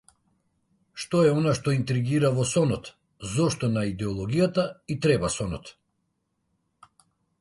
Што е она што интригира во сонот, зошто на идеологијата и треба сонот?